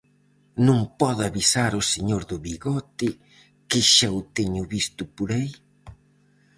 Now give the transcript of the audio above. -Non pode avisar o señor do bigote, que xa o teño visto por aí?